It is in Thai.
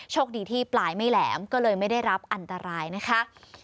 โชคดีที่ปลายไม่แหลมก็เลยไม่ได้รับอันตรายนะคะ